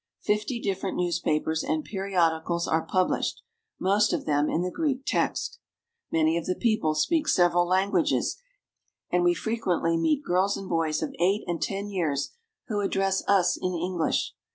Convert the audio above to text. Fifty different newspapers and periodicals are published, most of them in the Greek text. Many of the people speak several languages, and we fre quently meet girls and boys of eight and ten years who address us in English.